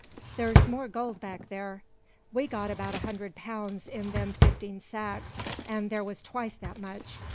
There's more gold back there. We got about a hunderd pounds in them fifteen sacks, an' there was twice that much.